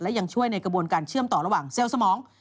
และยังช่วยในกระบวนการเชื่อมต่อระหว่างเซลล์สมอง